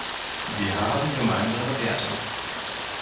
Wir haben gemeinsame Werte.